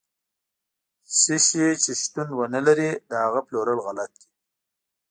څه شی چې شتون ونه لري، د هغه پلورل غلط دي.